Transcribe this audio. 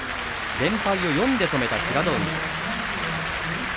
連敗を４で止めた平戸海。